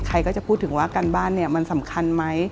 ใครก็จะพูดถึงว่าการบ้านเนี่ยมันสำคัญไหม